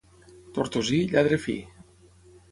Tortosí, lladre fi.